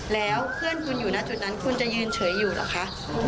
แล้วเพื่อนคุณอยู่หน้าจุดนั้นคุณจะยืนเฉยอยู่เหรอคะ